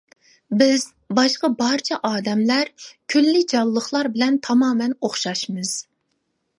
بىز باشقا بارچە ئادەملەر، كۈللى جانلىقلار بىلەن تامامەن ئوخشاشمىز.